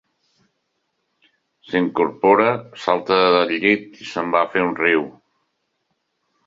S'incorpora, salta del llit i se'n va a fer un riu.